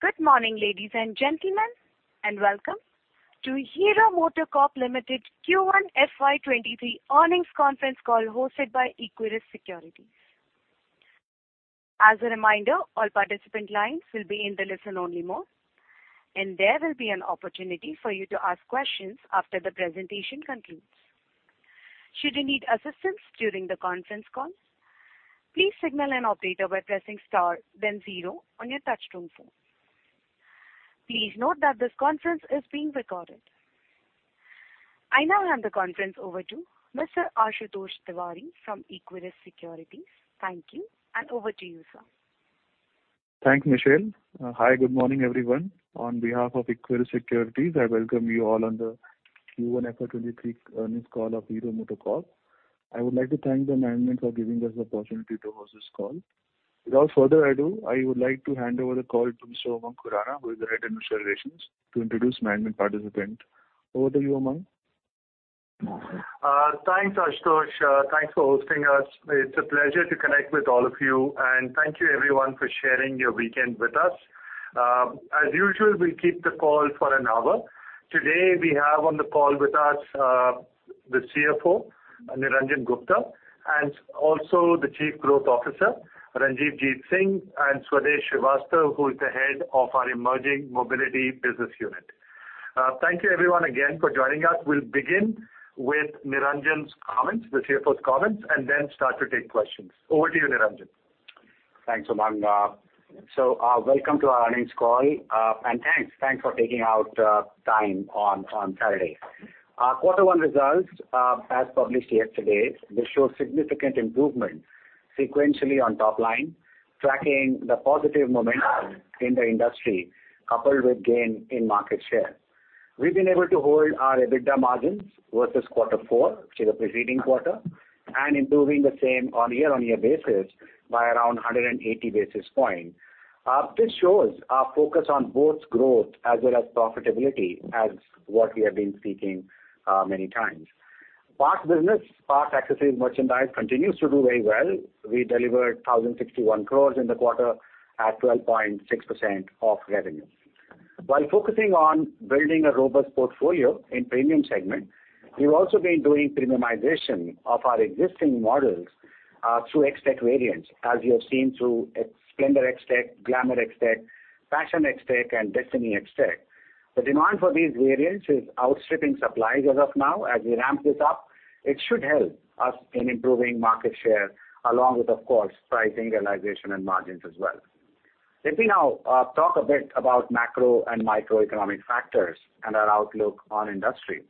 Good morning, ladies and gentlemen, and welcome to Hero MotoCorp Limited Q1 FY 2023 earnings conference call hosted by Equirus Securities. As a reminder, all participant lines will be in the listen-only mode, and there will be an opportunity for you to ask questions after the presentation concludes. Should you need assistance during the conference call, please signal an operator by pressing star then zero on your touchtone phone. Please note that this conference is being recorded. I now hand the conference over to Mr. Ashutosh Tiwari from Equirus Securities. Thank you, and over to you, sir. Thanks, Michelle. Hi, good morning, everyone. On behalf of Equirus Securities, I welcome you all on the Q1 FY23 earnings call of Hero MotoCorp. I would like to thank the management for giving us the opportunity to host this call. Without further ado, I would like to hand over the call to Mr. Umang Khurana, who is the head of investor relations, to introduce management participant. Over to you, Umang. Thanks, Ashutosh. Thanks for hosting us. It's a pleasure to connect with all of you. Thank you everyone for sharing your weekend with us. As usual, we'll keep the call for an hour. Today, we have on the call with us, the CFO, Niranjan Gupta, and also the Chief Growth Officer, Ranjivjit Singh, and Swadesh Srivastava, who is the Head of our Emerging Mobility Business Unit. Thank you everyone again for joining us. We'll begin with Niranjan's comments, the CFO's comments, and then start to take questions. Over to you, Niranjan. Thanks, Umang. Welcome to our earnings call. Thanks for taking out time on Saturday. Our quarter one results, as published yesterday, show significant improvement sequentially on top line, tracking the positive momentum in the industry, coupled with gain in market share. We've been able to hold our EBITDA margins versus quarter four to the preceding quarter and improving the same on year-on-year basis by around 180 basis points. This shows our focus on both growth as well as profitability as what we have been speaking many times. Parts business, accessories, merchandise continues to do very well. We delivered 1,061 crores in the quarter at 12.6% of revenue. While focusing on building a robust portfolio in premium segment, we've also been doing premiumization of our existing models, through XTEC variants, as you have seen through Splendor XTEC, Glamour XTEC, Passion XTEC and Destini XTEC. The demand for these variants is outstripping supplies as of now. As we ramp this up, it should help us in improving market share along with, of course, pricing realization and margins as well. Let me now talk a bit about macro and microeconomic factors and our outlook on industry.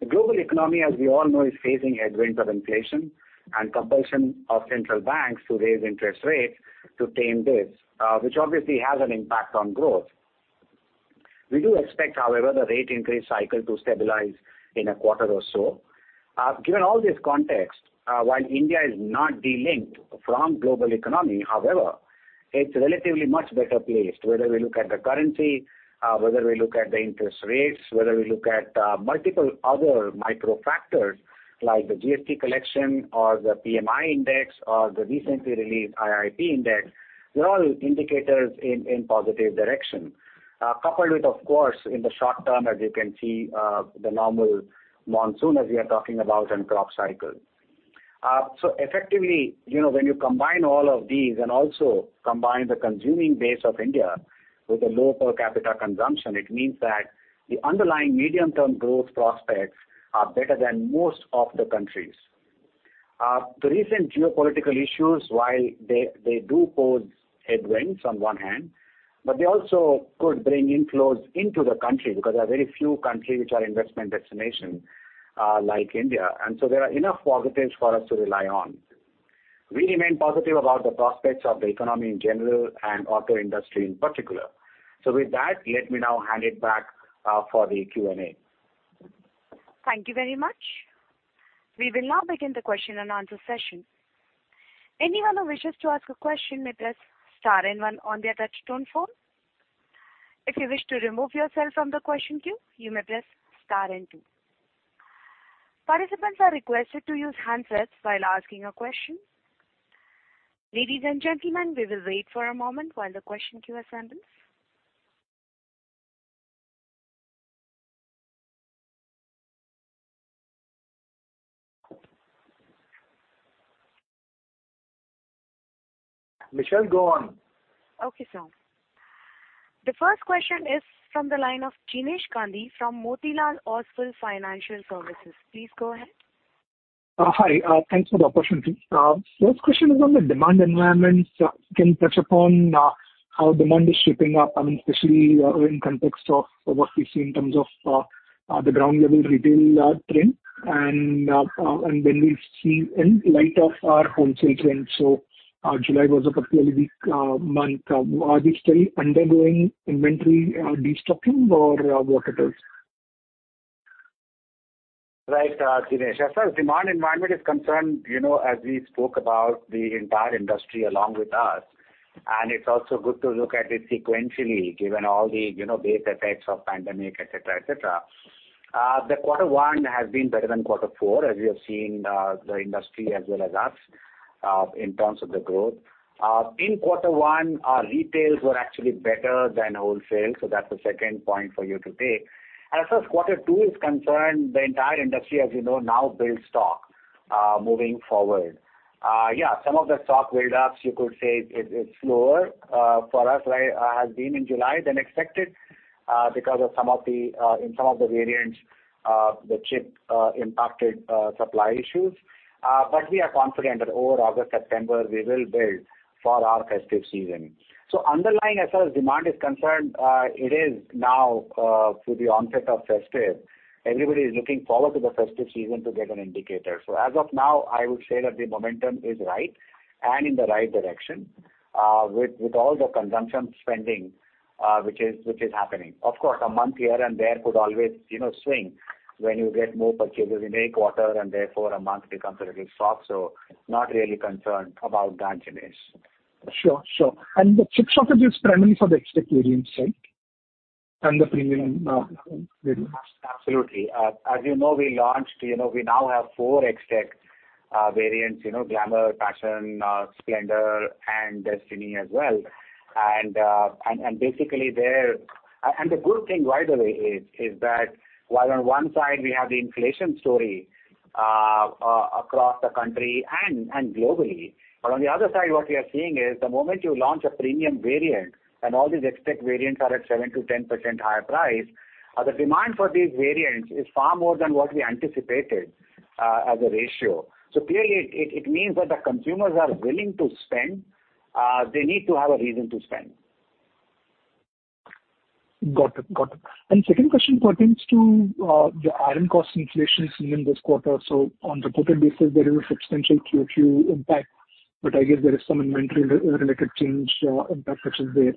The global economy, as we all know, is facing headwinds of inflation and compulsion of central banks to raise interest rates to tame this, which obviously has an impact on growth. We do expect, however, the rate increase cycle to stabilize in a quarter or so. Given all this context, while India is not delinked from global economy, however, it's relatively much better placed, whether we look at the currency, whether we look at the interest rates, whether we look at multiple other macro factors like the GST collection or the PMI index or the recently released IIP index. They're all indicators in positive direction. Coupled with, of course, in the short term, as you can see, the normal monsoon as we are talking about and crop cycle. Effectively, you know, when you combine all of these and also combine the consumer base of India with a low per capita consumption, it means that the underlying medium-term growth prospects are better than most of the countries. The recent geopolitical issues, while they do pose headwinds on one hand, but they also could bring inflows into the country because there are very few countries which are investment destination, like India. There are enough positives for us to rely on. We remain positive about the prospects of the economy in general and auto industry in particular. With that, let me now hand it back for the Q&A. Thank you very much. We will now begin the question and answer session. Anyone who wishes to ask a question may press star and one on their touchtone phone. If you wish to remove yourself from the question queue, you may press star and two. Participants are requested to use handsets while asking a question. Ladies and gentlemen, we will wait for a moment while the question queue assembles. Michelle, go on. Okay, sir. The first question is from the line of Jinesh Gandhi from Motilal Oswal Financial Services. Please go ahead. Hi. Thanks for the opportunity. First question is on the demand environment. Can you touch upon how demand is shaping up, I mean, especially in context of what we see in terms of the ground level retail trend and then we see in light of our wholesale trend. July was a particularly weak month. Are we still undergoing inventory destocking or what it is? Right, Jinesh. As far as demand environment is concerned, you know, as we spoke about the entire industry along with us, and it's also good to look at it sequentially, given all the, you know, base effects of pandemic, et cetera, et cetera. The quarter one has been better than quarter four, as you have seen, the industry as well as us, in terms of the growth. As far as quarter two is concerned, the entire industry, as you know, now builds stock, moving forward. Yeah, some of the stock buildups you could say is slower for us, like, has been in July than expected, because of some of the variants of the chip impacted supply issues. We are confident that over August, September, we will build for our festive season. Underlying, as far as demand is concerned, it is now through the onset of festive. Everybody is looking forward to the festive season to get an indicator. As of now, I would say that the momentum is right and in the right direction with all the consumption spending which is happening. Of course, a month here and there could always, you know, swing when you get more purchases in a quarter, and therefore a month becomes a little soft. Not really concerned about that, Jinesh. Sure. The chip shortage is primarily for the XTEC variant side and the premium. Absolutely. As you know, we launched, you know, we now have four XTEC variants, you know, Glamour, Passion, Splendor and Destini as well. The good thing, by the way, is that while on one side we have the inflation story across the country and globally, but on the other side, what we are seeing is the moment you launch a premium variant and all these XTEC variants are at 7%-10% higher price, the demand for these variants is far more than what we anticipated, as a ratio. Clearly it means that the consumers are willing to spend, they need to have a reason to spend. Got it. Second question pertains to the RM cost inflation seen in this quarter. On reported basis, there is a substantial QOQ impact, but I guess there is some inventory-related change impact which is there.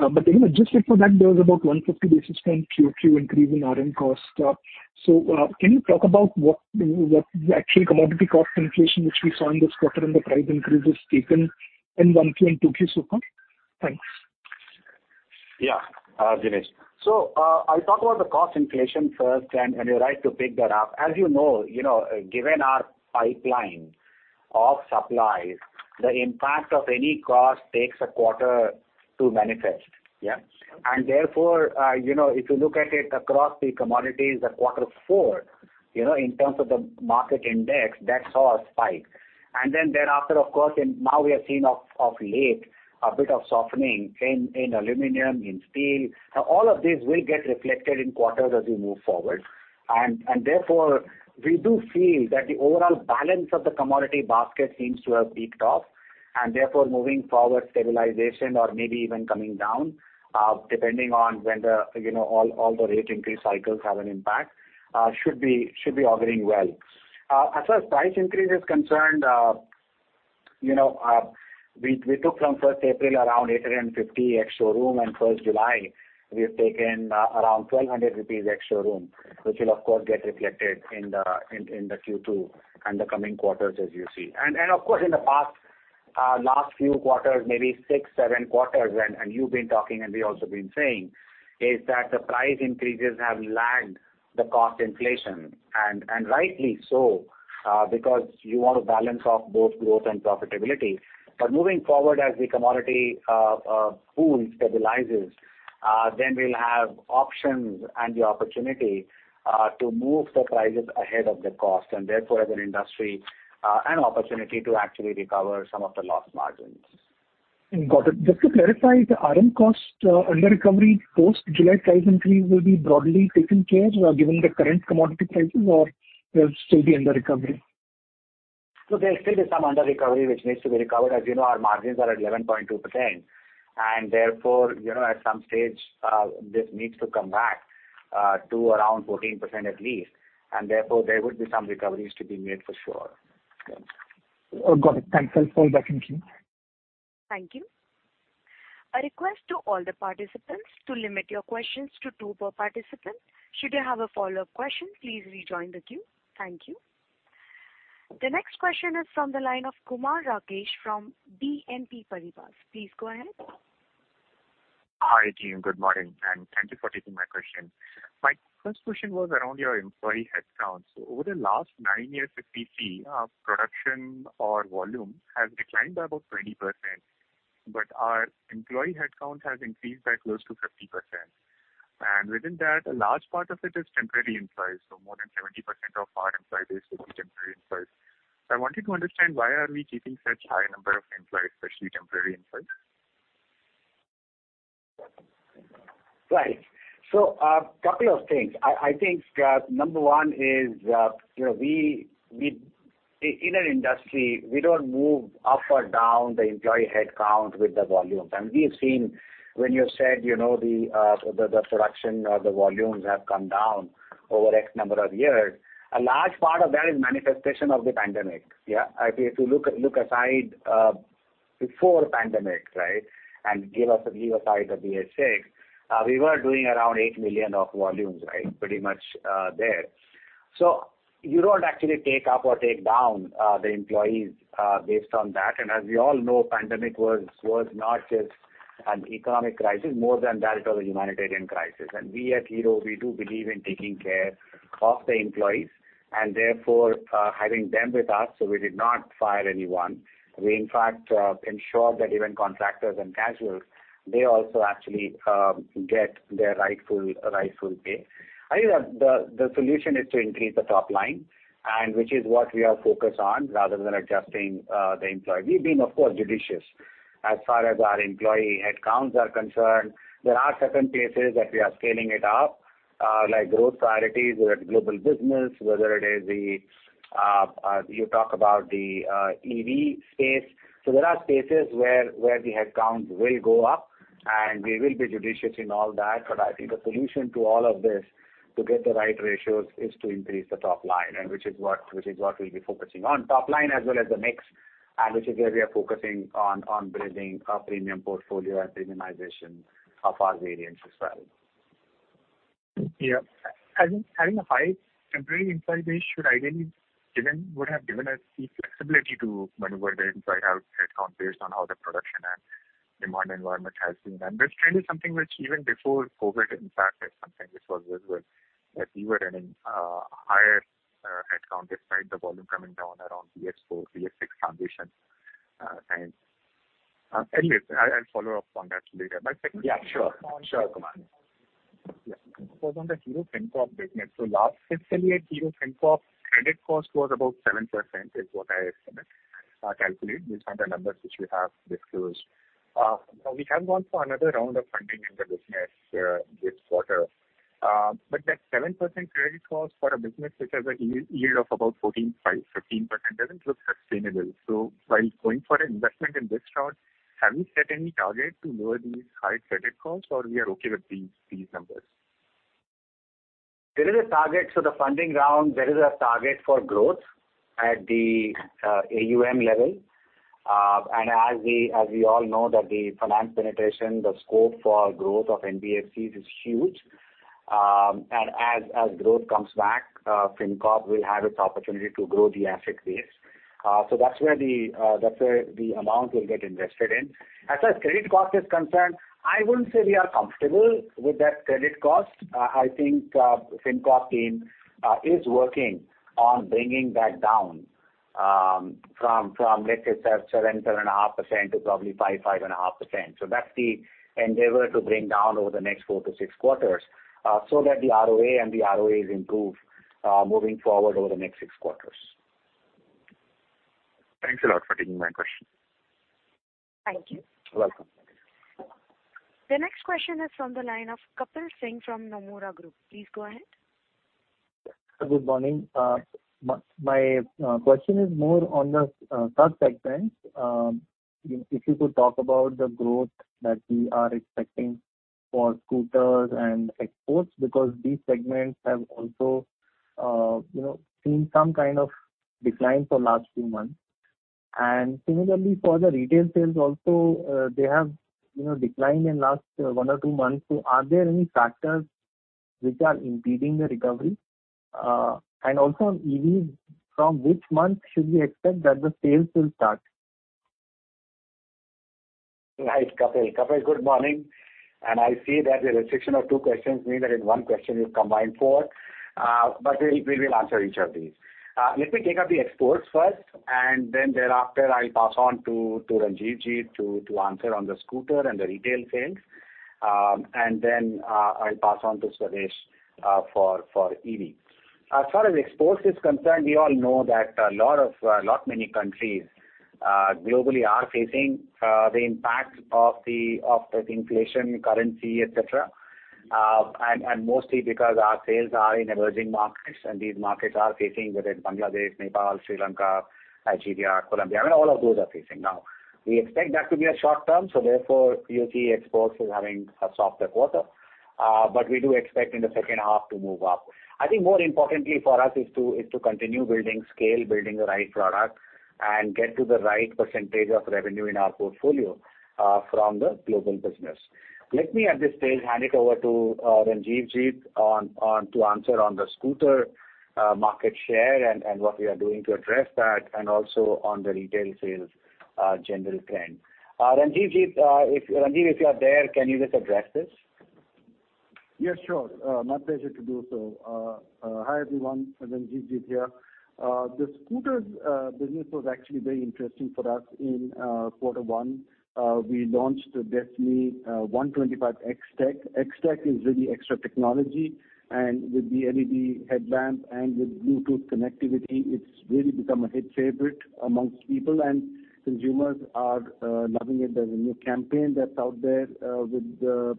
Anyway, just for that, there was about 150 basis point QOQ increase in RM cost. Can you talk about what the actual commodity cost inflation, which we saw in this quarter, and the price increases taken in 1Q and 2Q so far? Thanks. Yeah Jinesh, I'll talk about the cost inflation first, and you're right to pick that up. As you know, given our pipeline of supplies, the impact of any cost takes a quarter to manifest. Therefore, you know, if you look at it across the commodities at quarter four, you know, in terms of the market index, that saw a spike. Then thereafter, of course, and now we are seeing of late a bit of softening in aluminum, in steel. Now all of these will get reflected in quarters as we move forward. Therefore, we do feel that the overall balance of the commodity basket seems to have peaked off, and therefore moving forward, stabilization or maybe even coming down, depending on when, you know, all the rate increase cycles have an impact, should be auguring well. As far as price increase is concerned, you know, we took from first April around 850 ex-showroom, and first July we have taken around 1,200 rupees ex-showroom, which will of course get reflected in the Q2 and the coming quarters as you see. Of course, in the past last few quarters, maybe six, seven quarters, and you've been talking and we've also been saying, is that the price increases have lagged the cost inflation. Rightly so, because you want to balance off both growth and profitability. Moving forward, as the commodity pool stabilizes, then we'll have options and the opportunity to move the prices ahead of the cost, and therefore as an industry, an opportunity to actually recover some of the lost margins. Got it. Just to clarify, the RM cost, under recovery, post-July price increase will be broadly taken care given the current commodity prices or will still be under recovery? There's still some under recovery which needs to be recovered. As you know, our margins are at 11.2%. Therefore, you know, at some stage, this needs to come back to around 14% at least. Therefore, there would be some recoveries to be made for sure. Yeah. Got it. Thanks. I'll pull back in queue. Thank you. A request to all the participants to limit your questions to two per participant. Should you have a follow-up question, please rejoin the queue. Thank you. The next question is from the line of Kumar Rakesh from BNP Paribas. Please go ahead. Hi, team. Good morning, and thank you for taking my question. My first question was around your employee headcount. Over the last nine years at BS6, production or volume has declined by about 20%, but our employee headcount has increased by close to 50%. Within that, a large part of it is temporary employees. More than 70% of our employees will be temporary employees. I wanted to understand why are we keeping such high number of employees, especially temporary employees? A couple of things. I think number one is, you know, we in an industry, we don't move up or down the employee headcount with the volume. We've seen when you said, you know, the production or the volumes have come down over a number of years, a large part of that is manifestation of the pandemic. Yeah. If you look aside before pandemic, right, and leave aside the BS-VI, we were doing around 8 million of volumes, right? Pretty much there. You don't actually take up or take down the employees based on that. As we all know, pandemic was not just an economic crisis, more than that it was a humanitarian crisis. We at Hero, we do believe in taking care of the employees and therefore having them with us. We did not fire anyone. We in fact ensured that even contractors and casuals, they also actually get their rightful pay. I think that the solution is to increase the top line, which is what we are focused on rather than adjusting the employee. We've been of course judicious as far as our employee headcounts are concerned. There are certain places that we are scaling it up, like growth priorities with global business, whether it is the EV space. There are spaces where the headcounts will go up and we will be judicious in all that. I think the solution to all of this to get the right ratios is to increase the top line and which is what we'll be focusing on. Top line as well as the mix, and which is where we are focusing on building a premium portfolio and premiumization of our variants as well. Yeah. I think having a high temporary employee base should ideally would have given us the flexibility to maneuver the employee head count based on how the production and demand environment has been. That's really something which even before COVID impacted something which was visible, that we were running higher headcount despite the volume coming down around BS-IV, BS-VI transitions. At least I'll follow up on that later. My second- Yeah, sure. Sure, Kumar. Yes. This was on the Hero FinCorp business. Last fiscal year, Hero FinCorp credit cost was about 7% is what I estimate, calculate based on the numbers which you have disclosed. We have gone for another round of funding in the business, this quarter. That 7% credit cost for a business which has a yield of about 14%-15% doesn't look sustainable. While going for an investment in this round, have you set any target to lower these high credit costs or we are okay with these numbers? There is a target for the funding round. There is a target for growth at the AUM level. As we all know, the finance penetration, the scope for growth of NBFCs is huge. As growth comes back, Hero FinCorp will have its opportunity to grow the asset base. That's where the amount will get invested in. As far as credit cost is concerned, I wouldn't say we are comfortable with that credit cost. I think Hero FinCorp team is working on bringing that down from let's say 7%-7.5% to probably 5%-5.5%. That's the endeavor to bring down over the next four to six quarters, so that the ROA and the ROEs improve, moving forward over the next six quarters. Thanks a lot for taking my question. Thank you. You're welcome. The next question is from the line of Kapil Singh from Nomura Group. Please go ahead. Good morning. My question is more on the sub-segments. If you could talk about the growth that we are expecting for scooters and exports because these segments have also, you know, seen some kind of decline for last few months. Similarly for the retail sales also, they have, you know, declined in last one or two months. Are there any factors which are impeding the recovery? Also EV, from which month should we expect that the sales will start? Right,. Kapil, good morning. I see that the restriction of two questions means that in one question you've combined four, but we will answer each of these. Let me take up the exports first and then thereafter I'll pass on to Ranjivjit Singh to answer on the scooter and the retail sales. I'll pass on to Swadesh Srivastava for EV. As far as exports is concerned, we all know that a lot many countries globally are facing the impact of the inflation, currency, et cetera. Mostly because our sales are in emerging markets and these markets are facing, whether it's Bangladesh, Nepal, Sri Lanka, Nigeria, Colombia, I mean, all of those are facing now. We expect that to be short term, so therefore, 2W exports is having a softer quarter. But we do expect in the second half to move up. I think more importantly for us is to continue building scale, building the right product and get to the right percentage of revenue in our portfolio from the global business. Let me at this stage hand it over to Ranjivjit Singh on to answer on the scooter market share and what we are doing to address that and also on the retail sales general trend. Ranjivjit Singh, if you are there, can you just address this? Yes, sure. My pleasure to do so. Hi everyone, Ranjivjit Singh here. The scooters business was actually very interesting for us in quarter one. We launched Destini 125 XTEC. XTEC is really extra technology and with the LED headlamps and with Bluetooth connectivity, it's really become a hit favorite amongst people and consumers are loving it. There's a new campaign that's out there. We're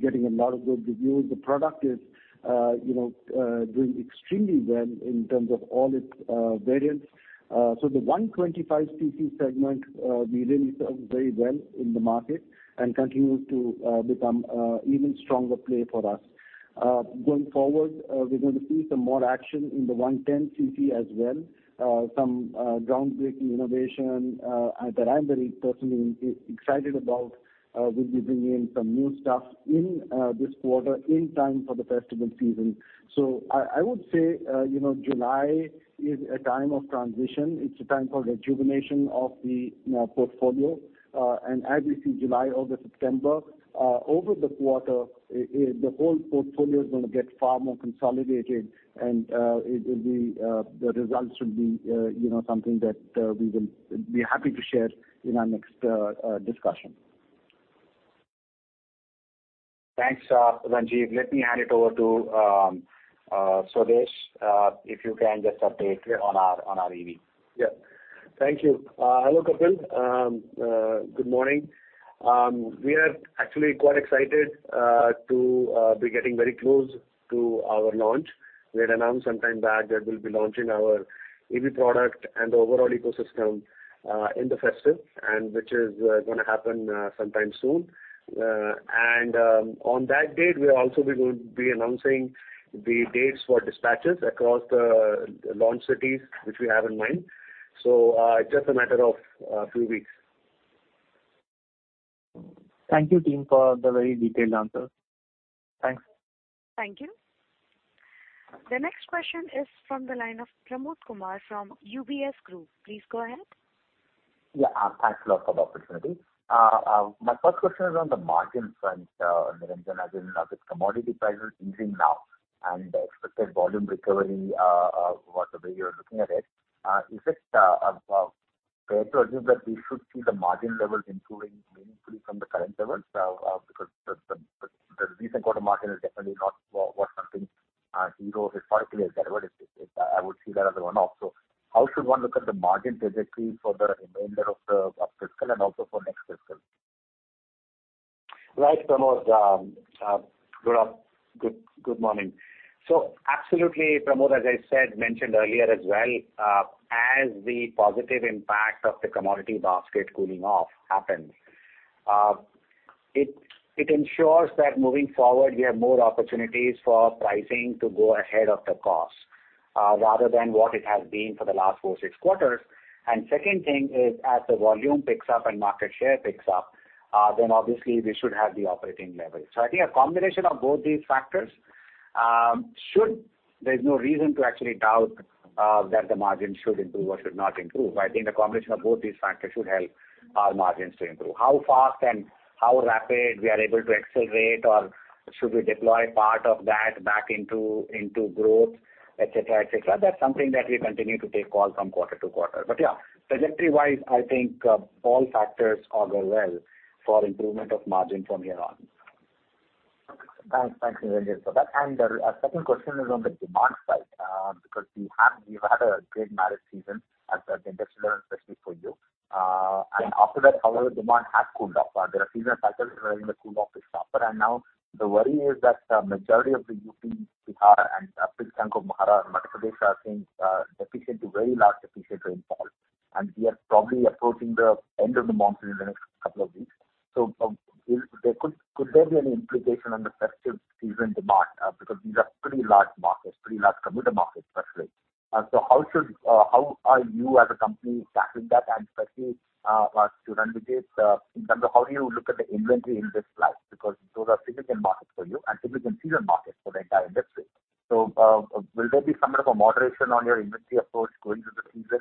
getting a lot of good reviews. The product is, you know, doing extremely well in terms of all its variants. So the 125 cc segment, we really serve very well in the market and continues to become a even stronger play for us. Going forward, we're going to see some more action in the 110 cc as well. Some groundbreaking innovation that I'm very personally excited about. We'll be bringing in some new stuff in this quarter in time for the festival season. I would say, you know, July is a time of transition. It's a time for rejuvenation of the, you know, portfolio. As we see July, August, September over the quarter, the whole portfolio is gonna get far more consolidated, and it will be. The results should be, you know, something that we will be happy to share in our next discussion. Thanks, Ranjivjit. Let me hand it over to Swadesh, if you can just update on our EV. Hello Kapil, good morning. We are actually quite excited to be getting very close to our launch. We had announced some time back that we'll be launching our EV product and the overall ecosystem in the festive season, which is gonna happen sometime soon. On that date, we'll also be going to be announcing the dates for dispatches across the three launch cities which we have in mind. It's just a matter of few weeks. Thank you team for the very detailed answer. Thanks. Thank you. The next question is from the line of Pramod Kumar from UBS Group. Please go ahead. Yeah. Thanks a lot for the opportunity. My first question is on the margin front, Niranjan, as in with commodity prices easing now and the expected volume recovery, what's the way you're looking at it, is it fair to assume that we should see the margin levels improving meaningfully from the current levels? Because the recent quarter margin is definitely not something Hero historically has delivered. I would see that as a one-off. How should one look at the margin trajectory for the remainder of the fiscal and also for next fiscal? Right, Pramod. Good morning. Absolutely, Pramod, as I said, mentioned earlier as well, as the positive impact of the commodity basket cooling off happens, it ensures that moving forward we have more opportunities for pricing to go ahead of the cost, rather than what it has been for the last four to six quarters. Second thing is as the volume picks up and market share picks up, then obviously we should have the operating leverage. I think a combination of both these factors should. There's no reason to actually doubt that the margin should improve or should not improve. I think the combination of both these factors should help our margins to improve. How fast and how rapid we are able to accelerate or should we deploy part of that back into growth, et cetera, et cetera, that's something that we continue to take calls from quarter to quarter. Yeah, trajectory-wise, I think, all factors augur well for improvement of margin from here on. Thanks. Thanks, Niranjan, for that. The second question is on the demand side, because we've had a great marriage season at the industry level, especially for you. Yeah. However, demand has cooled off. There are seasonal cycles wherein the cool off is tougher. Now the worry is that majority of the UP, Bihar and uphill chunk of Maharashtra are seeing deficient to very large deficient rainfall, and we are probably approaching the end of the monsoon in the next couple of weeks. Could there be any implication on the festive season demand, because these are pretty large markets, pretty large commuter markets especially. How are you as a company tackling that? Especially to Ranjivjit, in terms of how do you look at the inventory in this flush because those are significant markets for you and significant season markets for the entire industry. Will there be somewhat of a moderation on your inventory approach going through the season,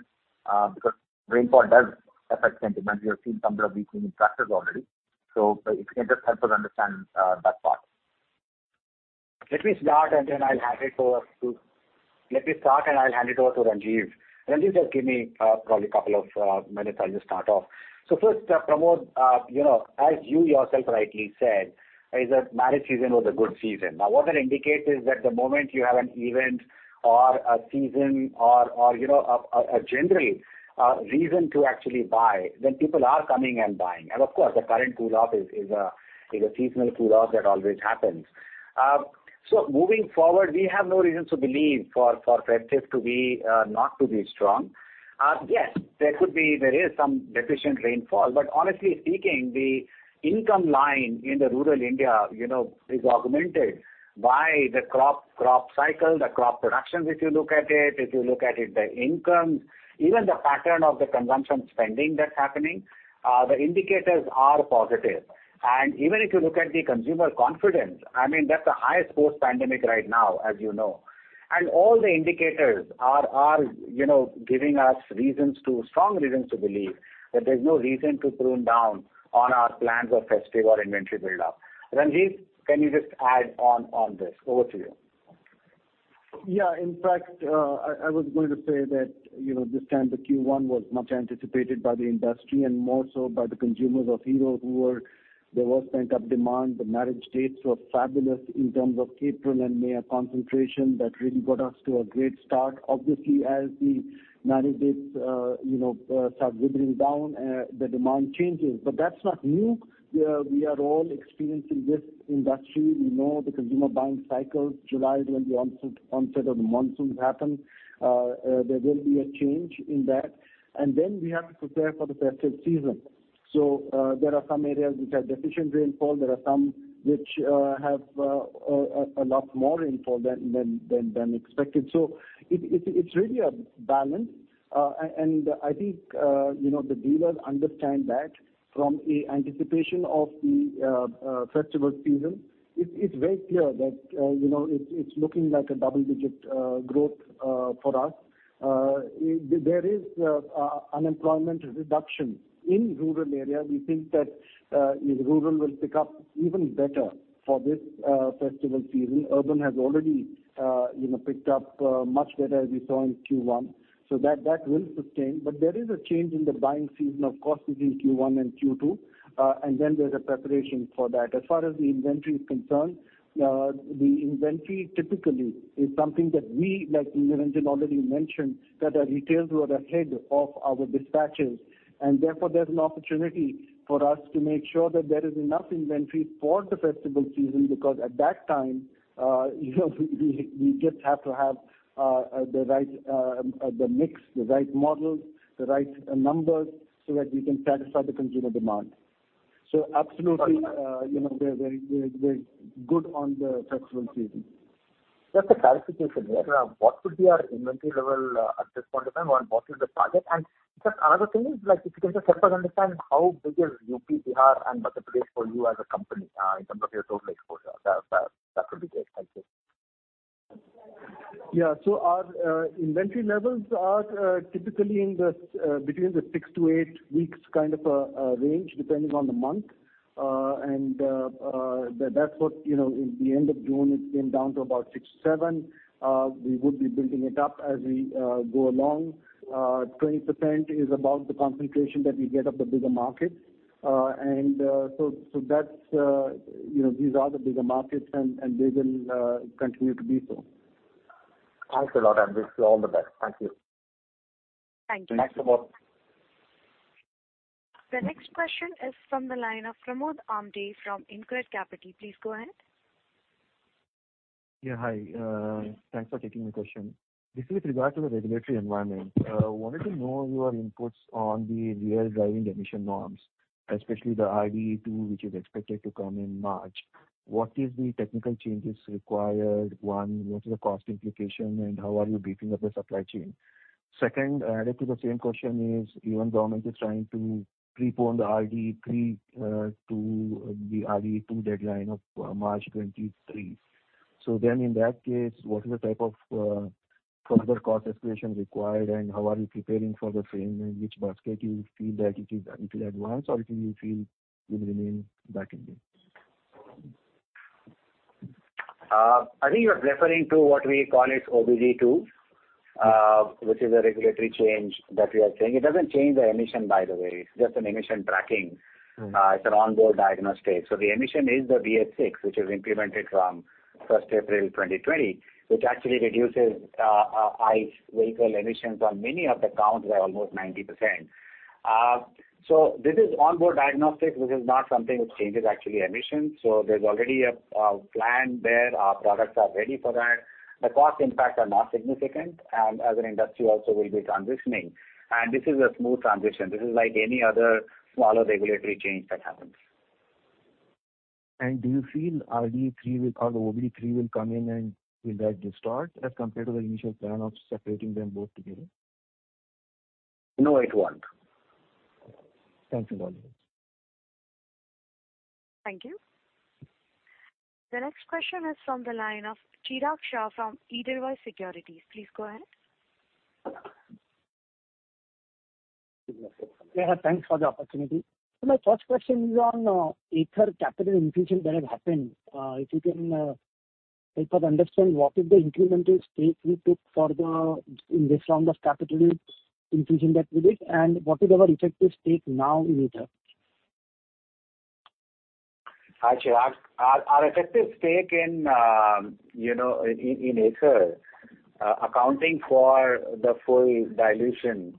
because rainfall does affect sentiment? We have seen some of it this year in tractors already. If you can just help us understand that part. Let me start and I'll hand it over to Ranjiv. Ranjiv, just give me probably a couple of minutes. I'll just start off. First, Pramod, you know, as you yourself rightly said, is that marriage season was a good season. Now, what that indicates is that the moment you have an event or a season or you know a general reason to actually buy, then people are coming and buying. Of course, the current cool off is a seasonal cool off that always happens. Moving forward, we have no reasons to believe for festive to be not to be strong. Yes, there could be. There is some deficient rainfall. Honestly speaking, the income line in rural India, you know, is augmented by the crop cycle, the crop productions if you look at it, the income, even the pattern of the consumption spending that's happening, the indicators are positive. Even if you look at the consumer confidence, I mean, that's the highest post-pandemic right now, as you know. All the indicators are, you know, giving us strong reasons to believe that there's no reason to prune down on our plans of festive or inventory buildup. Ranjiv, can you just add on this? Over to you. Yeah. In fact, I was going to say that, you know, this time the Q1 was much anticipated by the industry and more so by the consumers of Hero who were. There was pent-up demand. The marriage dates were fabulous in terms of April and May concentration. That really got us to a great start. Obviously, as the marriage dates start whittling down, the demand changes. But that's not new. We are all experiencing this industry. We know the consumer buying cycle. July is when the onset of the monsoons happen. There will be a change in that. We have to prepare for the festive season. There are some areas which have deficient rainfall. There are some which have a lot more rainfall than expected. It's really a balance. I think, you know, the dealers understand that from anticipation of the festival season. It's very clear that, you know, it's looking like a double-digit growth for us. There is unemployment reduction in rural area. We think that rural will pick up even better for this festival season. Urban has already, you know, picked up much better as we saw in Q1. That will sustain. There is a change in the buying season, of course, between Q1 and Q2. There's a preparation for that. As far as the inventory is concerned, the inventory typically is something that we, like Ranjan already mentioned, that our retailers were ahead of our dispatches, and therefore there's an opportunity for us to make sure that there is enough inventory for the festival season, because at that time, you know, we just have to have the right mix, the right models, the right numbers so that we can satisfy the consumer demand. Absolutely, you know, we're good on the festival season. Just a clarification here. What would be our inventory level at this point of time or what is the target? Just another thing is like if you can just help us understand how big is UP, Bihar and West Bengal for you as a company in terms of your total exposure. That would be great. Thank you. Yeah. Our inventory levels are typically between six to eight weeks kind of range, depending on the month. That's what, you know, in the end of June it came down to about six to seven. We would be building it up as we go along. 20% is about the concentration that we get of the bigger markets. So that's, you know, these are the bigger markets and they will continue to be so. Thanks a lot,. Wish you all the best. Thank you. Thank you. Thanks, Niranjan. The next question is from the line of Pramod Amthe from Incred Capital. Please go ahead. Yeah, hi. Thanks for taking the question. This is with regard to the regulatory environment. Wanted to know your inputs on the real driving emission norms, especially the RDE two which is expected to come in March. What is the technical changes required? One, what is the cost implication and how are you beefing up the supply chain? Second, added to the same question is even the government is trying to prepone the RDE three to the RDE two deadline of March 2023. In that case, what is the type of further cost escalation required and how are you preparing for the same and which basket you feel that it will advance or you feel will remain back again? I think you are referring to what we call as OBD2, which is a regulatory change that we are saying. It doesn't change the emission by the way, it's just an emission tracking. It's an onboard diagnostic. The emission is the BS6 which is implemented from first April 2020, which actually reduces ICE vehicle emissions on many of the counts by almost 90%. This is onboard diagnostic. This is not something which changes actual emission. There's already a plan there. Our products are ready for that. The cost impacts are not significant. As an industry also we'll be transitioning. This is a smooth transition. This is like any other smaller regulatory change that happens. Do you feel RDE 3 will or the OBD 3 will come in and will that distort as compared to the initial plan of separating them both together? No, it won't. Thank you very much. Thank you. The next question is from the line of Chirag Shah from Edelweiss Securities. Please go ahead. Yeah. Thanks for the opportunity. My first question is on Eicher capital infusion that has happened. If you can help us understand what is the incremental stake we took in this round of capital infusion that we did, and what is our effective stake now in Eicher? Actually, our effective stake in, you know, in Eicher, accounting for the full dilution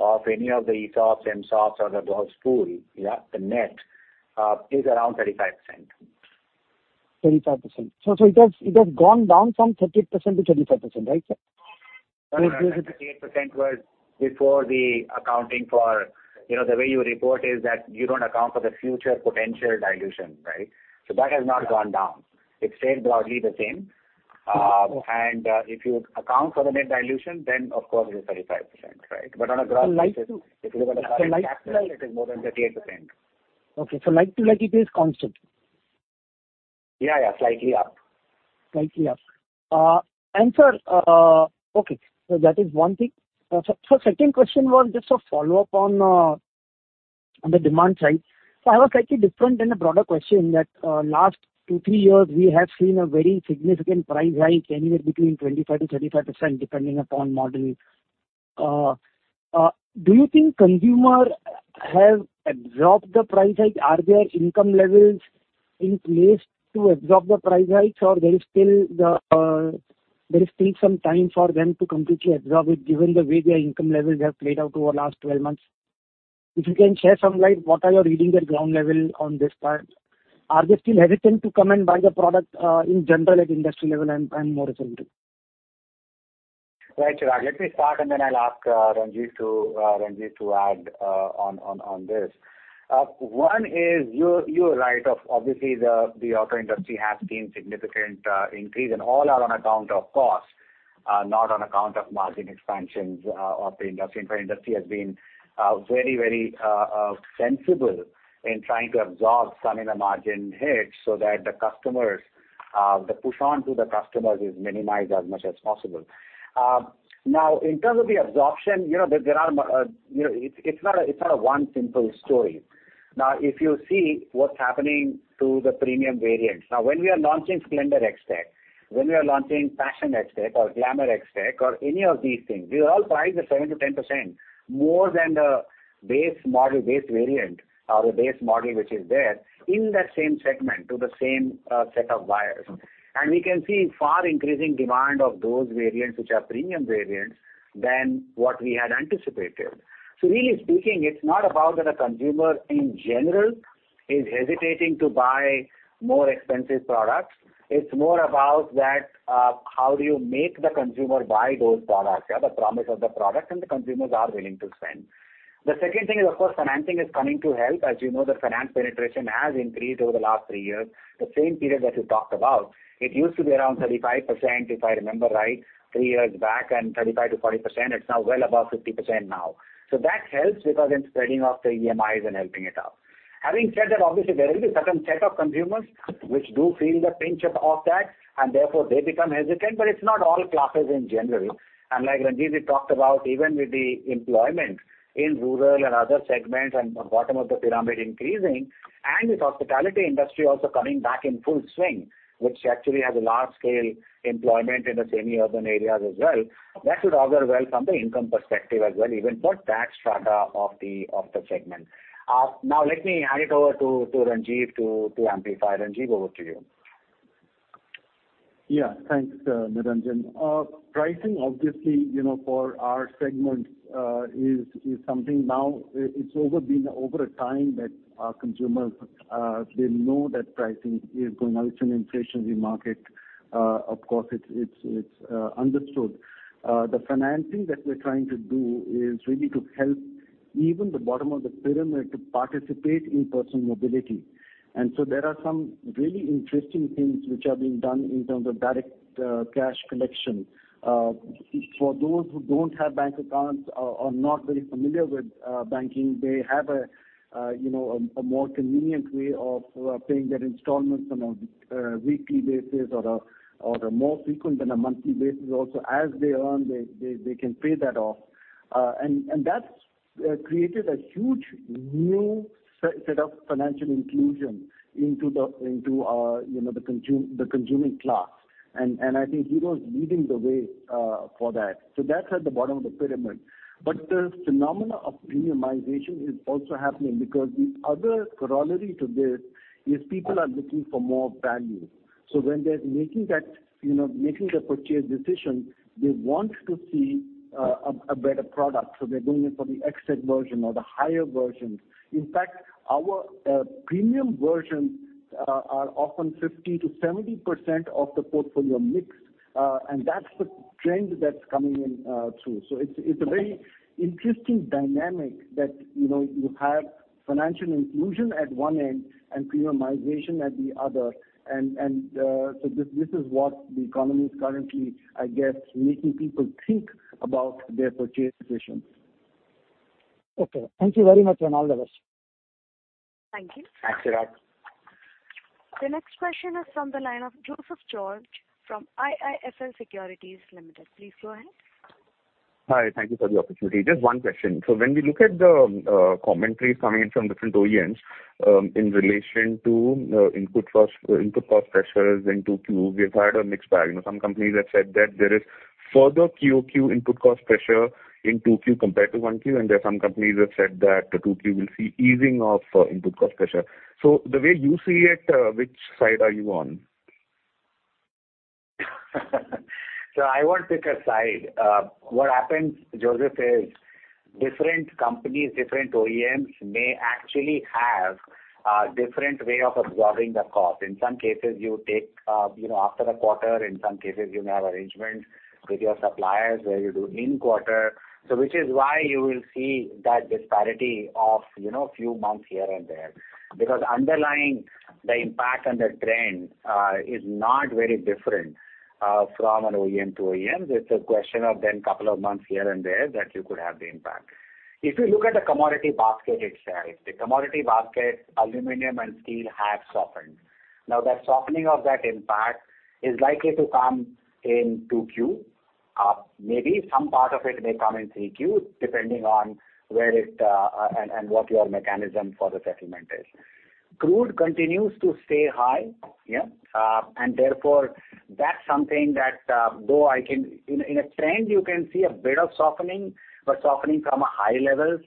of any of the ESOPs, MSOPs or the GOS pool, yeah, the net is around 35%. 35%. It has gone down from 38% to 35%, right? 38% was before the accounting for. You know, the way you report is that you don't account for the future potential dilution, right? That has not gone down. It stayed broadly the same. Okay. If you account for the net dilution, then of course it is 35%, right? On a gross basis. Like to If you look at current capital, it is more than 38%. Okay. Like to like it is constant. Yeah, yeah, slightly up. Slightly up. Sir, okay, that is one thing. Second question was just a follow-up on the demand side. I have a slightly different and a broader question that last two, three years we have seen a very significant price hike anywhere between 25%-35%, depending upon model. Do you think consumers have absorbed the price hike? Are their income levels in place to absorb the price hikes or there is still some time for them to completely absorb it given the way their income levels have played out over last 12 months? If you can shed some light, what are your reading at ground level on this part? Are they still hesitant to come and buy the product in general at industry level and motorcycle too? Right. Chirag Shah, let me start and then I'll ask Ranjivjit Singh to add on this. One is you're right. Obviously, the auto industry has seen significant increase, and all are on account of cost. Not on account of margin expansions of the industry. The industry has been very sensible in trying to absorb some of the margin hits so that the customers, the push-on to the customers is minimized as much as possible. Now, in terms of the absorption, you know, there are. It's not a one simple story. Now, if you see what's happening to the premium variants. When we are launching Splendor+ XTEC, when we are launching Passion XTEC or Glamour XTEC or any of these things, we all price it 7%-10% more than the base model, base variant or the base model which is there in that same segment to the same set of buyers. We can see far increasing demand of those variants, which are premium variants, than what we had anticipated. Really speaking, it's not about that a consumer in general is hesitating to buy more expensive products. It's more about that, how do you make the consumer buy those products? Yeah, the promise of the product, and the consumers are willing to spend. The second thing is, of course, financing is coming to help. As you know, the finance penetration has increased over the last three years, the same period that you talked about. It used to be around 35%, if I remember right, three years back, and 35%-40%. It's now well above 50% now. That helps because it's spreading off the EMIs and helping it out. Having said that, obviously, there will be certain set of consumers which do feel the pinch of that, and therefore they become hesitant, but it's not all classes in general. Like Ranjit talked about, even with the employment in rural and other segments and bottom of the pyramid increasing, and with hospitality industry also coming back in full swing, which actually has a large scale employment in the semi-urban areas as well. That should augur well from the income perspective as well, even for that strata of the segment. Now let me hand it over to Ranjit to amplify. Ranjit, over to you. Yeah. Thanks, Niranjan. Pricing obviously, you know, for our segment, is something now it's been over time that our consumers, they know that pricing is going. It's an inflationary market. Of course, it's understood. The financing that we're trying to do is really to help even the bottom of the pyramid to participate in personal mobility. There are some really interesting things which are being done in terms of direct cash collection. For those who don't have bank accounts or not very familiar with banking, they have a more convenient way of paying their installments on a weekly basis or more frequent than a monthly basis also. As they earn, they can pay that off. That's created a huge new set of financial inclusion into you know, the consuming class. I think Hero's leading the way for that. That's at the bottom of the pyramid. The phenomenon of premiumization is also happening because the other corollary to this is people are looking for more value. When they're making that, you know, making the purchase decision, they want to see a better product, so they're going in for the XTEC version or the higher versions. In fact, our premium versions are often 50%-70% of the portfolio mix, and that's the trend that's coming in through. It's a very interesting dynamic that, you know, you have financial inclusion at one end and premiumization at the other. This is what the economy is currently, I guess, making people think about their purchase decisions. Okay. Thank you very much. All the best. Thank you. Thanks, Chirag. The next question is from the line of Joseph George from IIFL Securities Limited. Please go ahead. Hi. Thank you for the opportunity. Just one question. When we look at the commentaries coming in from different OEMs in relation to input cost pressures in 2Q, we have had a mixed bag. You know, some companies have said that there is further QOQ input cost pressure in 2Q compared to 1Q, and there are some companies that said that the 2Q will see easing of input cost pressure. The way you see it, which side are you on? I won't pick a side. What happens, Joseph, is different companies, different OEMs may actually have a different way of absorbing the cost. In some cases, you take, after the quarter, in some cases, you may have arrangements with your suppliers where you do in quarter. Which is why you will see that disparity of, few months here and there. Because underlying the impact and the trend, is not very different, from an OEM to OEM. It's a question of a couple of months here and there that you could have the impact. If you look at the commodity basket itself, the commodity basket, aluminum and steel have softened. Now, the softening of that impact is likely to come in 2Q. Maybe some part of it may come in 3Q, depending on where it and what your mechanism for the settlement is. Crude continues to stay high. Therefore that's something that in a trend, you can see a bit of softening, but softening from high levels.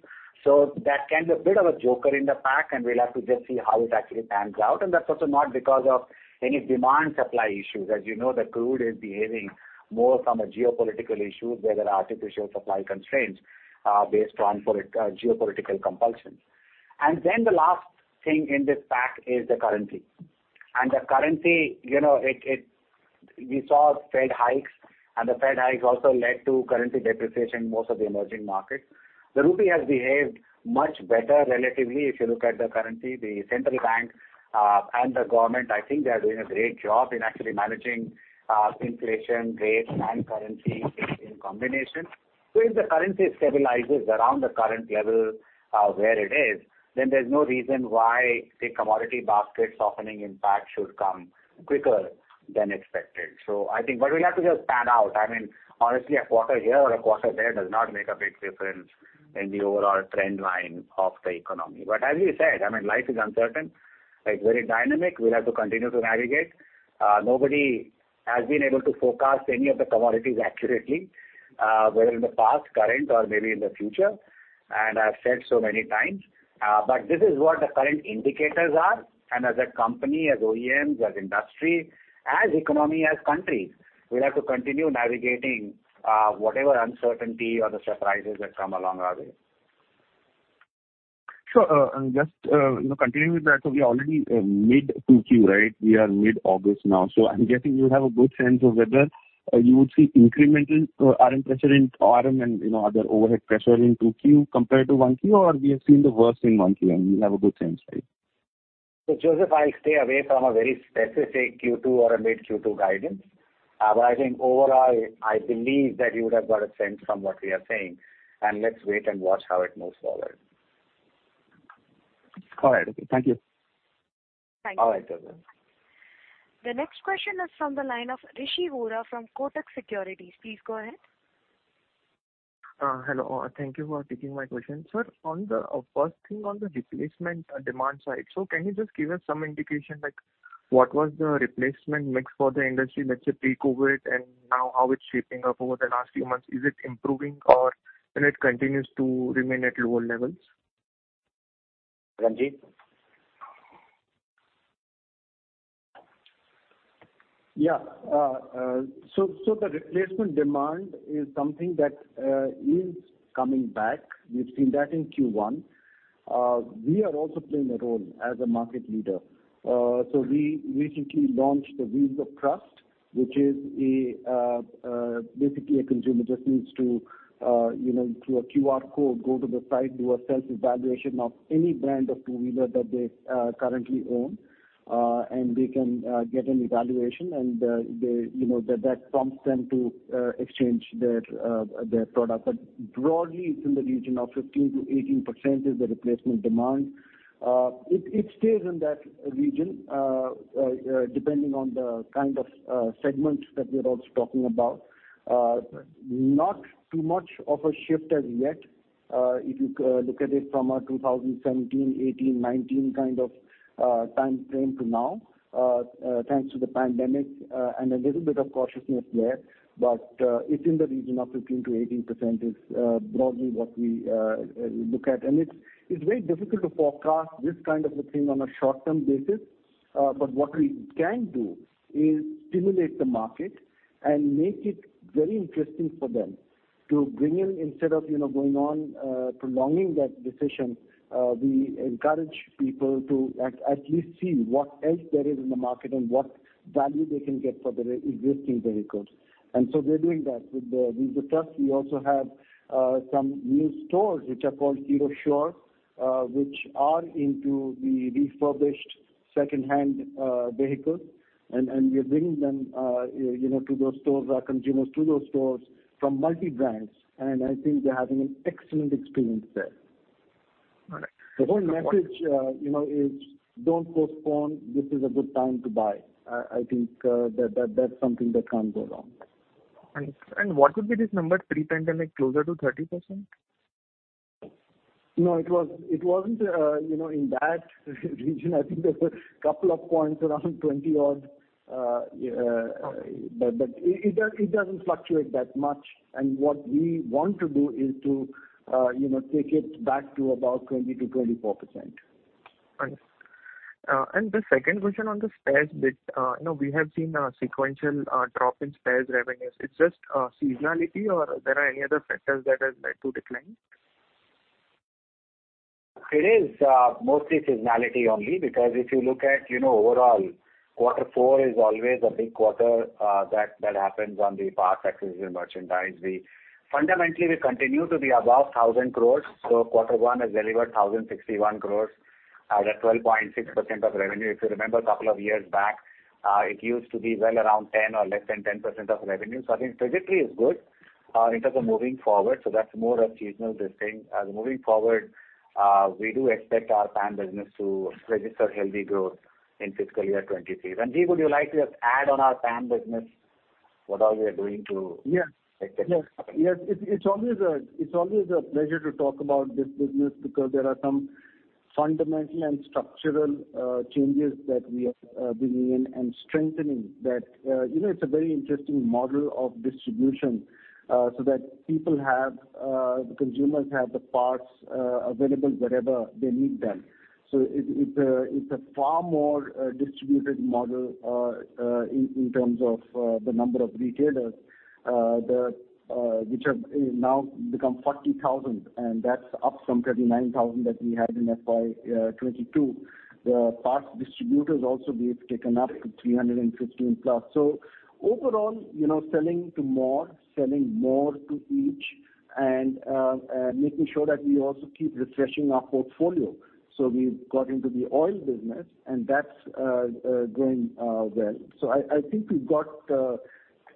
That can be a bit of a joker in the pack, and we'll have to just see how it actually pans out. That's also not because of any demand supply issues. As you know, the crude is behaving more from a geopolitical issue, where there are artificial supply constraints based on geopolitical compulsions. Then the last thing in this pack is the currency. The currency, you know. We saw Fed hikes, and the Fed hikes also led to currency depreciation in most of the emerging markets. The rupee has behaved much better relatively if you look at the currency. The central bank and the government, I think they are doing a great job in actually managing inflation rates and currency in combination. If the currency stabilizes around the current level where it is, then there's no reason why the commodity basket softening impact should come quicker than expected. I think what we'll have to just pan out, I mean, honestly, a quarter here or a quarter there does not make a big difference in the overall trend line of the economy. As we said, I mean, life is uncertain, right? Very dynamic. We'll have to continue to navigate. Nobody has been able to forecast any of the commodities accurately, whether in the past, current or maybe in the future, and I've said so many times. But this is what the current indicators are. As a company, as OEMs, as industry, as economy, as country, we'll have to continue navigating whatever uncertainty or the surprises that come along our way. Sure. Just, you know, continuing with that. We are already mid-2Q, right? We are mid-August now. I'm guessing you have a good sense of whether you would see incremental RM pressure in RM and, you know, other overhead pressure in 2Q compared to 1Q, or we have seen the worst in 1Q, and you have a good sense, right? Joseph, I'll stay away from a very specific Q2 or a mid-Q2 guidance. I think overall, I believe that you would have got a sense from what we are saying. Let's wait and watch how it moves forward. All right. Okay. Thank you. All right, Joseph. The next question is from the line of Rishi Jhunjhunwala from Kotak Securities. Please go ahead. Hello. Thank you for taking my question. Sir, on the first thing on the replacement demand side. Can you just give us some indication, like what was the replacement mix for the industry, let's say, pre-COVID, and now how it's shaping up over the last few months? Is it improving or, you know, it continues to remain at lower levels? Ranjit? Yeah. The replacement demand is something that is coming back. We've seen that in Q1. We are also playing a role as a market leader. We recently launched the Wheels of Trust, which is basically a consumer just needs to you know through a QR code go to the site do a self-evaluation of any brand of two-wheeler that they currently own. They can get an evaluation and they you know that prompts them to exchange their product. Broadly it's in the region of 15%-18% is the replacement demand. It stays in that region depending on the kind of segments that we are also talking about. Not too much of a shift as yet. If you look at it from a 2017, 2018, 2019 kind of timeframe to now, thanks to the pandemic, and a little bit of cautiousness there. It's in the region of 15%-18% is broadly what we look at. It's very difficult to forecast this kind of a thing on a short-term basis. What we can do is stimulate the market and make it very interesting for them to bring in instead of, you know, going on, prolonging that decision. We encourage people to at least see what else there is in the market and what value they can get for their existing vehicles. We're doing that with the Wheels of Trust. We also have some new stores which are called Hero Sure, which are into the refurbished secondhand vehicles. We are bringing them, you know, to those stores, our consumers to those stores from multi-brands, and I think they're having an excellent experience there. All right. The whole message, you know, is don't postpone. This is a good time to buy. I think that that's something that can't go wrong. What could be this number pre-pandemic, closer to 30%? No, it wasn't, you know, in that region. I think there were couple of points around 20-odd. But it doesn't fluctuate that much. What we want to do is to take it back to about 20%-24%. Right. The second question on the spares bit. You know, we have seen a sequential drop in spares revenues. It's just seasonality or are there any other factors that has led to decline? It is mostly seasonality only. If you look at, you know, overall, quarter four is always a big quarter that happens on the parts, accessories and merchandise. Fundamentally, we continue to be above 1,000 crores. Quarter one has delivered 1,061 crores at 12.6% of revenue. If you remember a couple of years back, it used to be well around 10% or less than 10% of revenue. I think trajectory is good in terms of moving forward. That's more of seasonal this thing. Moving forward, we do expect our PAM business to register healthy growth in Fiscal Year 2023. Ranjit, would you like to add on our PAM business, what all we are doing to- Yeah. Take care of that? Yes. It's always a pleasure to talk about this business because there are some fundamental and structural changes that we are bringing in and strengthening that. You know, it's a very interesting model of distribution so that the consumers have the parts available wherever they need them. It's a far more distributed model in terms of the number of retailers which have now become 40,000, and that's up from 39,000 that we had in FY 2022. The parts distributors also we've taken up to 315 plus. Overall, you know, selling more to each- Making sure that we also keep refreshing our portfolio. We've got into the oil business and that's going well. I think we've got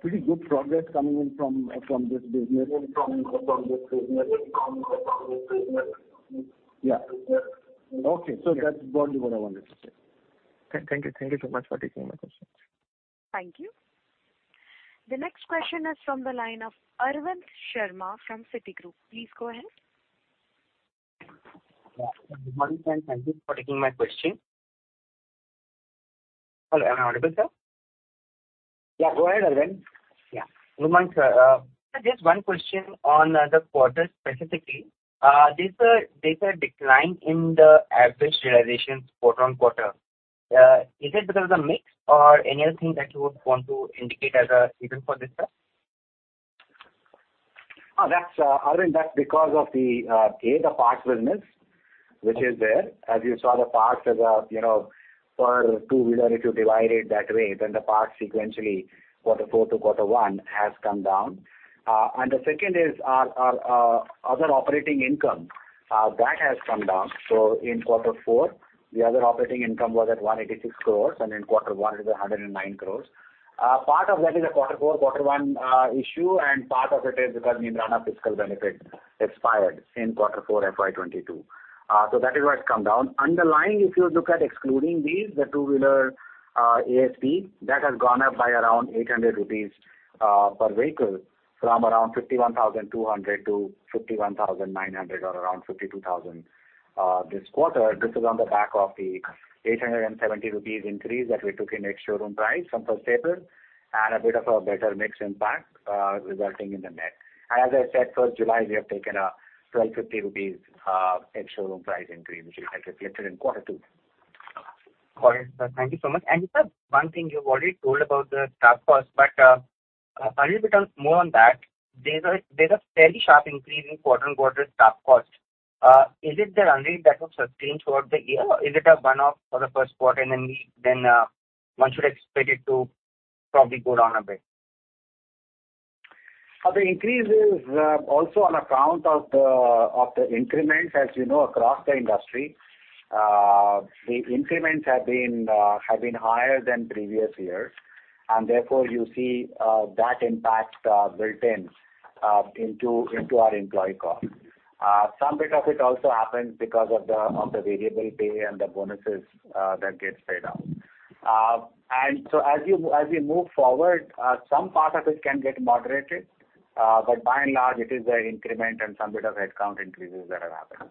pretty good progress coming in from this business. Yeah. Okay. That's broadly what I wanted to say. Thank you. Thank you so much for taking my questions. Thank you. The next question is from the line of Arvind Sharma from Citigroup. Please go ahead. Yeah. Good morning, and thank you for taking my question. Hello, am I audible, sir? Yeah, go ahead. Yeah.Good morning, sir. Just one question on the quarter specifically. There's a decline in the average realization quarter-on-quarter. Is it because of the mix or anything that you would want to indicate as a reason for this, sir? Arvind, that's because of the A, the parts business, which is there. As you saw the parts as a, you know, per two-wheeler, if you divide it that way, then the parts sequentially quarter four to quarter one has come down. The second is our other operating income that has come down. In quarter four, the other operating income was at 186 crores, and in quarter one it was 109 crores. Part of that is a quarter four/quarter one issue, and part of it is because Neemrana fiscal benefit expired in quarter four FY 2022. That is why it's come down. Underlying, if you look at excluding these, the two-wheeler ASP that has gone up by around 800 rupees per vehicle, from around 51,200 to 51,900 or around 52,000 this quarter. This is on the back of the 870 rupees increase that we took in ex-showroom price from April 1, and a bit of a better mix impact resulting in the net. As I said, July 1, we have taken a 1,250 rupees ex-showroom price increase, which will get reflected in quarter two. Got it. Thank you so much. Sir, one thing you've already told about the staff costs, but a little bit more on that. There's a fairly sharp increase in quarter-on-quarter staff costs. Is it the run rate that will sustain throughout the year, or is it a one-off for the first quarter, and then one should expect it to probably go down a bit? The increase is also on account of the increments, as you know, across the industry. The increments have been higher than previous years, and therefore you see that impact built in into our employee cost. Some bit of it also happens because of the variable pay and the bonuses that gets paid out. As we move forward, some part of it can get moderated, but by and large, it is the increment and some bit of headcount increases that are happening.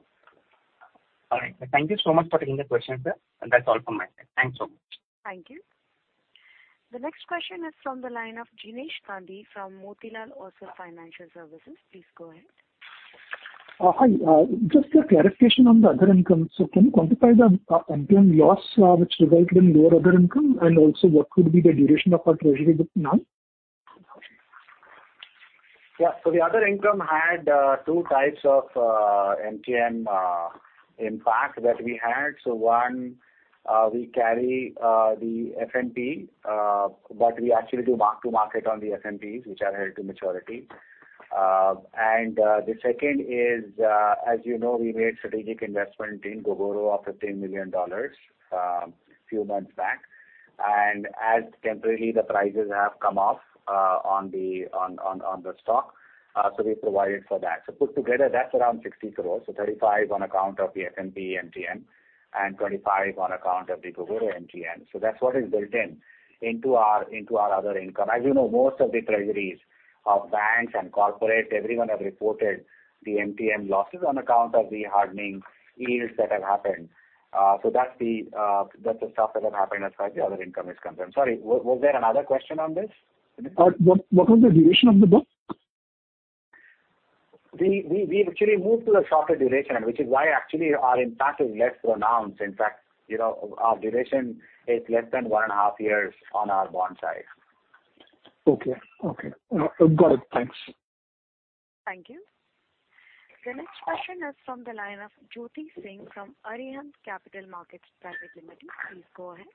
All right. Thank you so much for taking the question, sir. That's all from my side. Thanks so much. Thank you. The next question is from the line of Jinesh Gandhi from Motilal Oswal Financial Services. Please go ahead. Hi. Just a clarification on the other income. Can you quantify the MTM loss, which resulted in lower other income? Also, what would be the duration of our treasury book now? Yeah. The other income had two types of MTM impact that we had. One, we carry the FMP, but we actually do mark to market on the FMPs, which are held to maturity. The second is, as you know, we made strategic investment in Gogoro of $15 million few months back. As temporarily the prices have come off on the stock, so we provided for that. Put together, that's around 60 crores. 35 on account of the FMP MTM, and 25 on account of the Gogoro MTM. That's what is built in into our other income. As you know, most of the treasuries of banks and corporates, everyone have reported the MTM losses on account of the hardening yields that have happened. That's the stuff that have happened as far as the other income is concerned. Sorry, was there another question on this? What was the duration of the book? We've actually moved to the shorter duration, which is why actually our impact is less pronounced. In fact, you know, our duration is less than one and a half years on our bond size. Okay. Got it. Thanks. Thank you. The next question is from the line of Jyoti Singh from Arihant Capital Markets Limited. Please go ahead.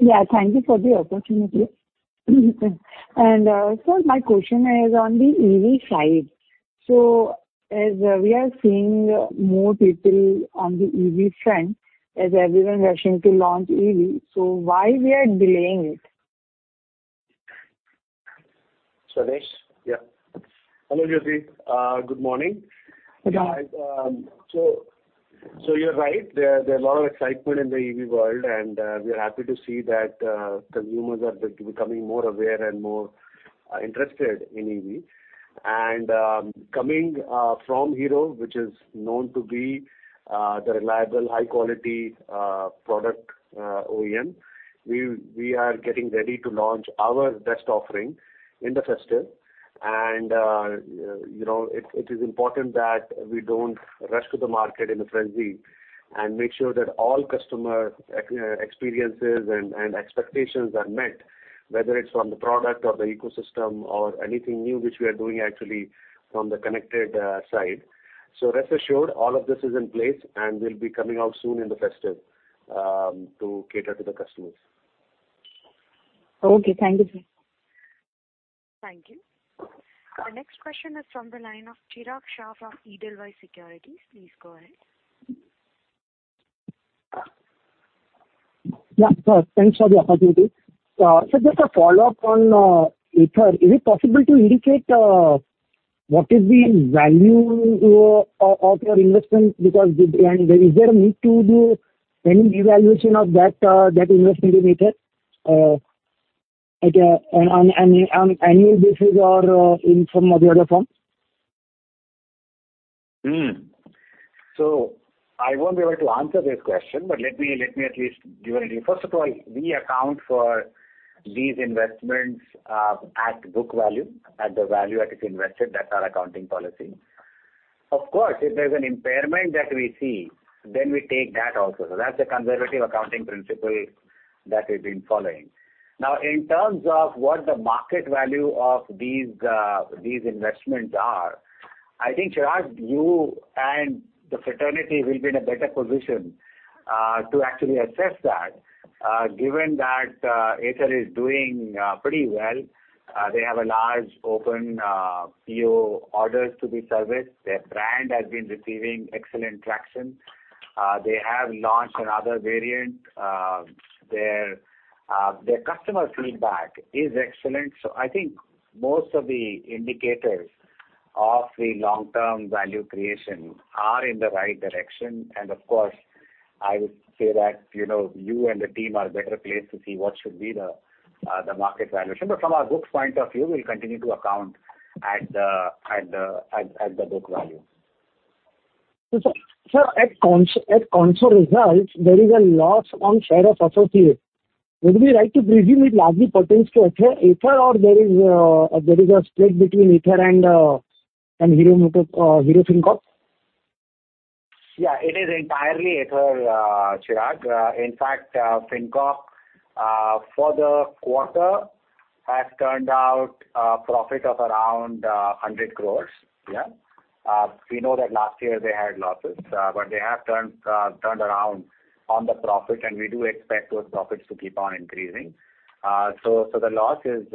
Yeah. Thank you for the opportunity. Sir, my question is on the EV side. As we are seeing more people on the EV front, as everyone rushing to launch EV, why we are delaying it? Swadesh? Yeah. Hello, Jyoti. Good morning. Good morning. You're right. There are a lot of excitement in the EV world, and we are happy to see that consumers are becoming more aware and more interested in EV. Coming from Hero, which is known to be the reliable high quality product OEM, we are getting ready to launch our best offering in the festive. You know, it is important that we don't rush to the market in a frenzy and make sure that all customer experiences and expectations are met, whether it's from the product or the ecosystem or anything new, which we are doing actually from the connected side. Rest assured, all of this is in place, and we'll be coming out soon in the festive to cater to the customers. Okay. Thank you, sir. Thank you. The next question is from the line of Chirag Shah of Edelweiss Securities. Please go ahead. Yeah. Thanks for the opportunity. Just a follow-up on Ather. Is it possible to indicate what is the value of your investment. Is there a need to do any evaluation of that investment in Ather, like on an annual basis or in some other form? I won't be able to answer this question, but let me at least. First of all, we account for these investments at book value, at the value at which we invested. That's our accounting policy. Of course, if there's an impairment that we see, then we take that also. That's a conservative accounting principle that we've been following. Now, in terms of what the market value of these investments are, I think, Chirag, you and the fraternity will be in a better position to actually assess that, given that Ather is doing pretty well. They have a large open PO orders to be serviced. Their brand has been receiving excellent traction. They have launched another variant. Their customer feedback is excellent. I think most of the indicators of the long-term value creation are in the right direction. Of course, I would say that, you know, you and the team are better placed to see what should be the market valuation. From our book point of view, we'll continue to account at the book value. Sir, at consolidated results, there is a loss on share of associates. Would it be right to presume it largely pertains to Ather or there is a split between Ather and Hero FinCorp? Yeah, it is entirely Ather, Chirag. In fact, Hero FinCorp for the quarter has turned out a profit of around 100 crore. Yeah. We know that last year they had losses, but they have turned around on the profit, and we do expect those profits to keep on increasing. So the loss is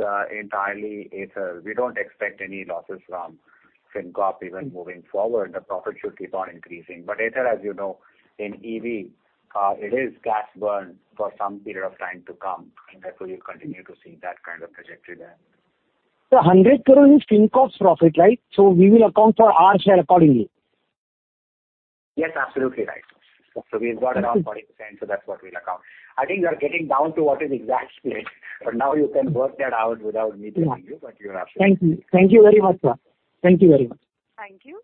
entirely Ather. We don't expect any losses from Hero FinCorp even moving forward. The profit should keep on increasing. Ather, as you know, in EV, it is cash burn for some period of time to come, and therefore you continue to see that kind of trajectory there. 100 crore is Hero FinCorp's profit, right? We will account for our share accordingly. Yes, absolutely right. We've got around 40%, so that's what we'll account. I think we are getting down to what is exact split, but now you can work that out without me telling you, but you're absolutely right. Thank you. Thank you very much, sir. Thank you very much. Thank you.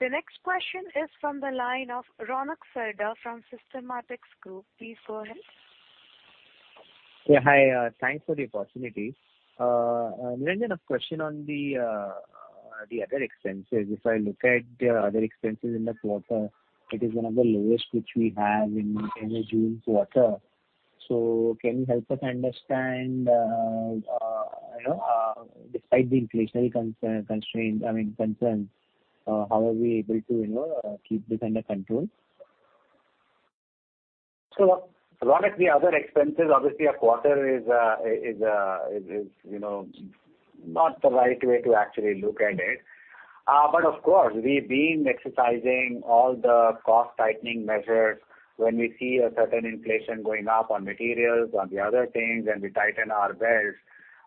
The next question is from the line of Ronak Sarda from Systematix Group. Please go ahead. Yeah, hi. Thanks for the opportunity. Niranjan, a question on the other expenses. If I look at other expenses in the quarter, it is one of the lowest which we have in May, June quarter. Can you help us understand, you know, despite the inflationary concerns, how are we able to, you know, keep this under control? Ronak, the other expenses, obviously a quarter is not the right way to actually look at it, you know. Of course, we've been exercising all the cost tightening measures when we see a certain inflation going up on materials, on the other things, and we tighten our belts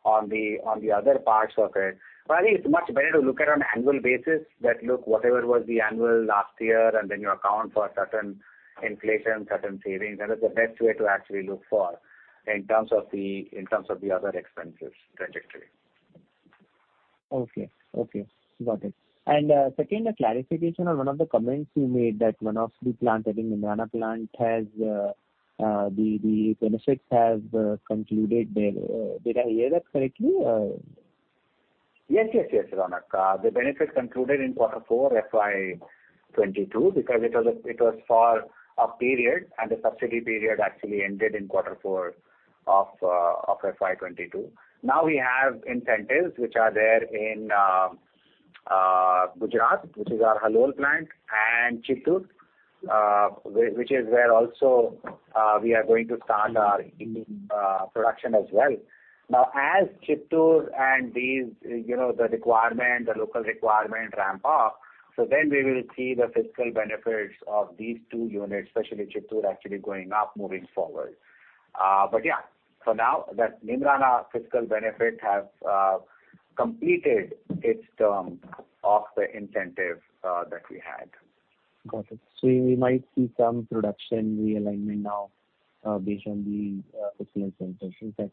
on the other parts of it. I think it's much better to look at on annual basis that look whatever was the annual last year and then you account for certain inflation, certain savings. That is the best way to actually look for in terms of the other expenses trajectory. Okay. Got it. Second, a clarification on one of the comments you made that one of the plant, I think Neemrana plant has the benefits has concluded there. Did I hear that correctly? Yes, Ronak. The benefit concluded in quarter four FY22 because it was for a period, and the subsidy period actually ended in quarter four of FY22. Now we have incentives which are there in Gujarat, which is our Halol plant and Chittoor, which is where also we are going to start our EV production as well. Now, as Chittoor and these, you know, the requirement, the local requirement ramp up, so then we will see the fiscal benefits of these two units, especially Chittoor actually going up moving forward. Yeah, for now the Neemrana fiscal benefit has completed its term of the incentive that we had. Got it. We might see some production realignment now, based on the fiscal incentives that,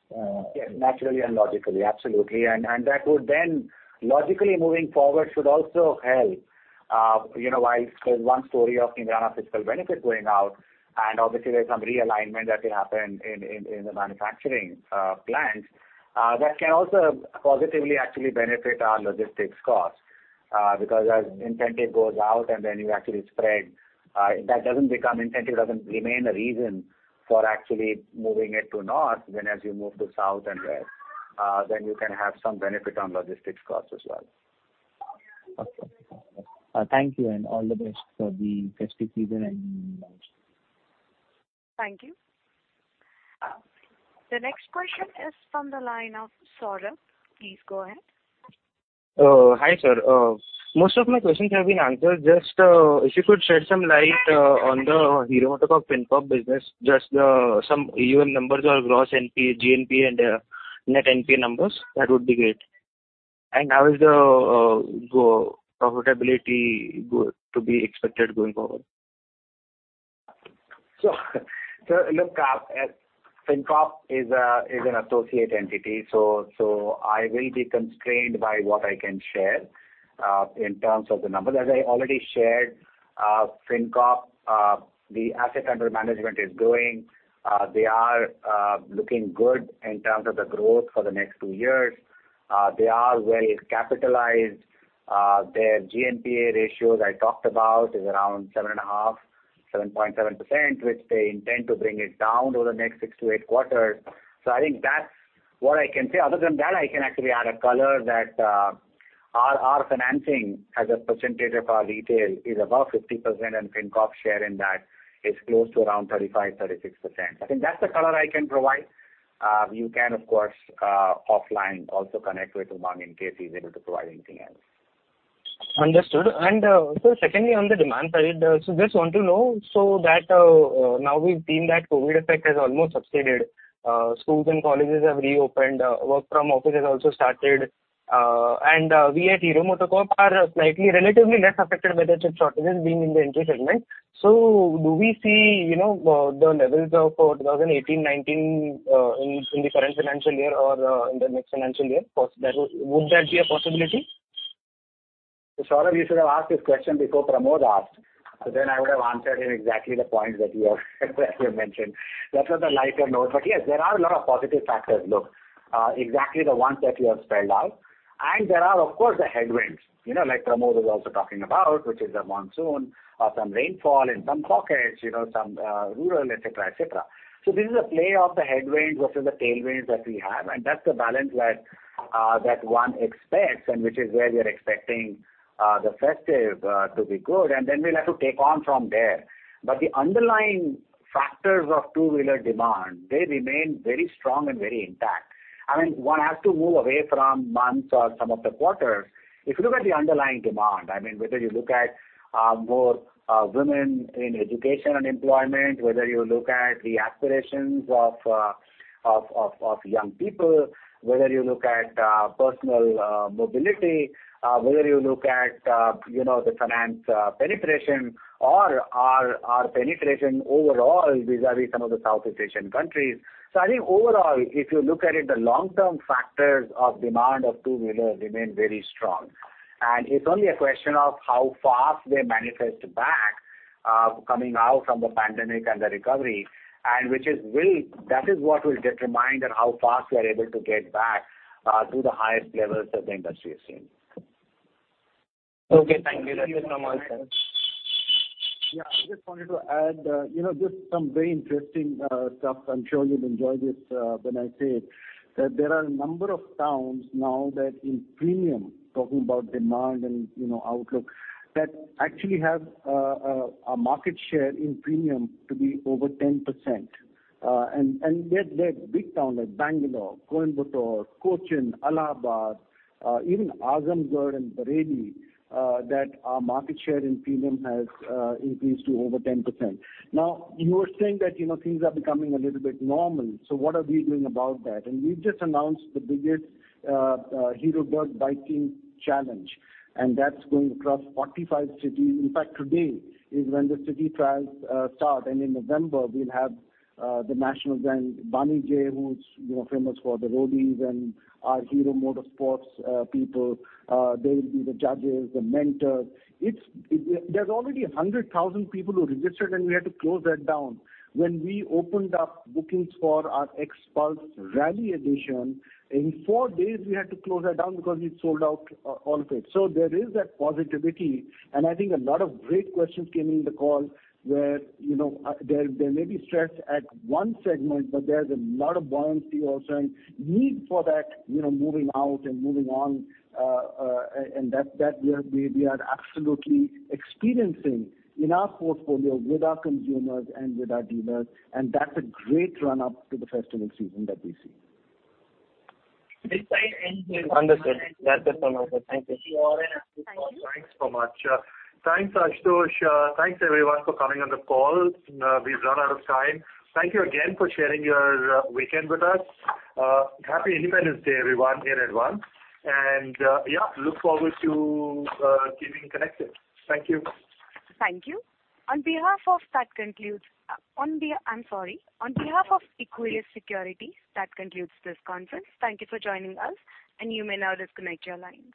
Yes, naturally and logically. Absolutely. That would then logically moving forward should also help, you know, while there's one story of Neemrana fiscal benefit going out and obviously there's some realignment that will happen in the manufacturing plants that can also positively actually benefit our logistics cost. Because as incentive goes out and then you actually spread, that doesn't become incentive, doesn't remain a reason for actually moving it to north when as you move to south and west, then you can have some benefit on logistics cost as well. Okay. Thank you and all the best for the festive season and launch. Thank you. The next question is from the line of Saurabh. Please go ahead. Hi, sir. Most of my questions have been answered. Just, if you could shed some light on the Hero FinCorp business, just, some key numbers or gross GNPA and net NPA numbers, that would be great. How is the profitability to be expected going forward? Hero FinCorp is an associate entity. I will be constrained by what I can share in terms of the numbers. As I already shared, Hero FinCorp, the asset under management is growing. They are looking good in terms of the growth for the next two years. They are well capitalized. Their GNPA ratios I talked about is around 7.5, 7.7%, which they intend to bring it down over the next six to eight quarters. I think that's what I can say. Other than that, I can actually add a color that our financing as a percentage of our retail is above 50%, and Hero FinCorp's share in that is close to around 35-36%. I think that's the color I can provide. You can of course offline also connect with Umang in case he's able to provide anything else. Understood. Secondly, on the demand side, just want to know so that now we've seen that COVID effect has almost subsided. Schools and colleges have reopened. Work from office has also started. We at Hero MotoCorp are slightly relatively less affected by the chip shortages being in the entry segment. Do we see, you know, the levels of 2018, 2019 in the current financial year or in the next financial year? Would that be a possibility? Saurabh, you should have asked this question before Pramod asked. I would have answered him exactly the points that you have mentioned. That's on a lighter note. Yes, there are a lot of positive factors, look. Exactly the ones that you have spelled out. There are, of course, the headwinds, you know, like Pramod was also talking about, which is the monsoon or some rainfall in some pockets, you know, some, rural, et cetera, et cetera. This is a play of the headwinds versus the tailwinds that we have, and that's the balance where, that one expects and which is where we are expecting, the festive, to be good. Then we'll have to take on from there. The underlying factors of 2W demand, they remain very strong and very intact. I mean, one has to move away from months or some of the quarters. If you look at the underlying demand, I mean, whether you look at more women in education and employment. Whether you look at the aspirations of young people. Whether you look at personal mobility. Whether you look at you know, the finance penetration or our penetration overall vis-à-vis some of the South Asian countries. I think overall, if you look at it, the long-term factors of demand of two-wheelers remain very strong. It's only a question of how fast they manifest back, coming out from the pandemic and the recovery, and that is what will determine how fast we are able to get back to the highest levels that the industry has seen. Okay. Thank you. Thank you so much, sir. Yeah. I just wanted to add, you know, just some very interesting stuff. I'm sure you'll enjoy this when I say it. That there are a number of towns now that in premium, talking about demand and, you know, outlook, that actually have a market share in premium to be over 10%. And they're big towns like Bangalore, Coimbatore, Cochin, Allahabad, even Azamgarh and Bareilly that our market share in premium has increased to over 10%. Now, you were saying that, you know, things are becoming a little bit normal. What are we doing about that? We've just announced the biggest Hero Dirt Biking Challenge, and that's going across 45 cities. In fact, today is when the city trials start, and in November we'll have the national grand. Bani J, who's, you know, famous for the Roadies and our Hero MotoSports people, they will be the judges, the mentors. It's. There's already 100,000 people who registered, and we had to close that down. When we opened up bookings for our XPulse rally edition, in four days we had to close that down because we'd sold out all of it. There is that positivity, and I think a lot of great questions came in the call where, you know, there may be stress at one segment, but there's a lot of buoyancy also and need for that, you know, moving out and moving on. That we are absolutely experiencing in our portfolio with our consumers and with our dealers, and that's a great run-up to the festival season that we see. This side ends here. Understood. That is all. Thank you. Thank you. Thanks so much. Thanks, Ashutosh. Thanks everyone for coming on the call. We've run out of time. Thank you again for sharing your weekend with us. Happy Independence Day, everyone, in advance. Yeah, look forward to keeping connected. Thank you. Thank you. On behalf of Equirus Securities, that concludes this conference. Thank you for joining us, and you may now disconnect your lines.